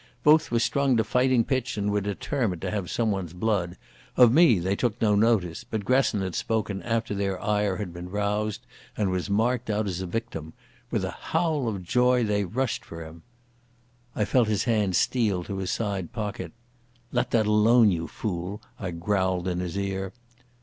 Both were strung to fighting pitch, and were determined to have someone's blood. Of me they took no notice, but Gresson had spoken after their ire had been roused, and was marked out as a victim. With a howl of joy they rushed for him. I felt his hand steal to his side pocket. "Let that alone, you fool," I growled in his ear.